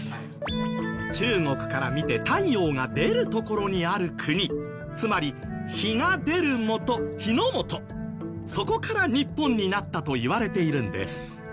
中国から見て太陽が出るところにある国つまり日が出るもと日のもとそこから日本になったと言われているんです。